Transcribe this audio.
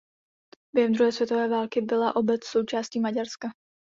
Během druhé světové války byla obec součástí Maďarska.